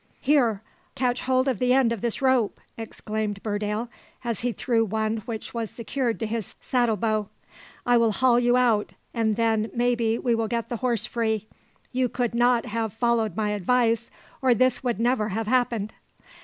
"Here, catch hold of the end of this rope!" exclaimed Burdale, as he threw one which was secured to his saddlebow. "I will haul you out; and then, maybe, we will get the horse free. You could not have followed my advice, or this would never have happened."